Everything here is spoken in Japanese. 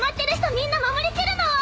みんな守りきるのは！